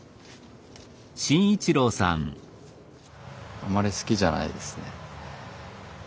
あまり好きじゃないですね。